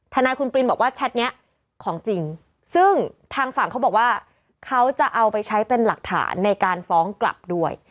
ทนายคุณปรินบอกว่าแชทนี้ของจริงซึ่งทางฝั่งเขาบอกว่าเขาจะเอาไปใช้เป็นหลักฐานในการฟ้องกลับด้วย